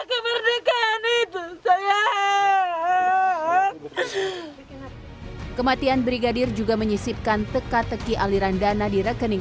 kemerdekaan itu saya kematian brigadir juga menyisipkan teka teki aliran dana di rekening